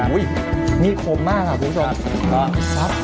อุ้ยนี่คมมากค่ะคุณผู้ชม